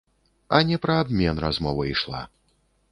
А не пра абмен размова ішла.